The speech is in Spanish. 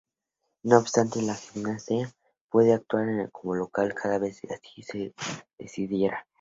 No obstante, Gimnasia puede actuar como local cada vez que así lo decidiera.